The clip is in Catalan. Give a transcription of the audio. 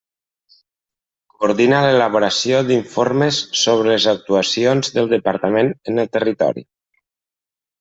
Coordina l'elaboració d'informes sobre les actuacions del Departament en el territori.